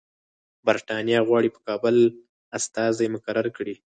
برټانیه غواړي په کابل استازی مقرر کړي.